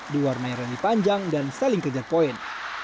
dua warna yang rani panjang dan saling kejar poin